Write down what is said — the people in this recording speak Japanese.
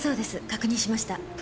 確認しました。